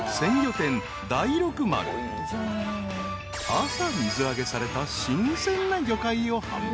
［朝水揚げされた新鮮な魚介を販売］